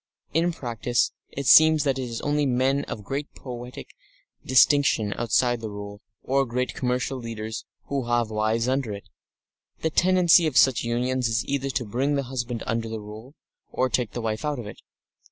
In practice, it seems that it is only men of great poietic distinction outside the Rule, or great commercial leaders, who have wives under it. The tendency of such unions is either to bring the husband under the Rule, or take the wife out of it.